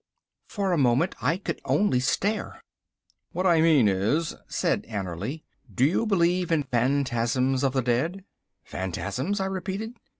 For a moment I could only stare. "What I mean is," said Annerly, "do you believe in phantasms of the dead?" "Phantasms?" I repeated.